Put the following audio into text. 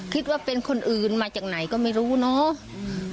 คิดว่าเป็นคนอื่นมาจากไหนก็ไม่รู้เนาะ